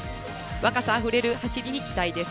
若さあふれる走りに期待です。